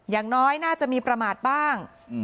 อย่างน้อยน่าจะมีประมาทบ้าง